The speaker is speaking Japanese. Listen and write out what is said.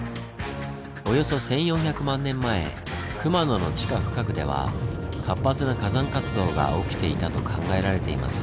およそ１４００万年前熊野の地下深くでは活発な火山活動が起きていたと考えられています。